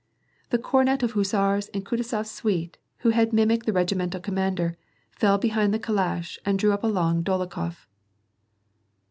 The comet of Hussars in Kutuzors suite, who had mimicked the regimental commander^ fell behind the calash and drew up alongside of Dolokhof